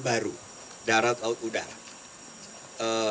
baru darat laut udara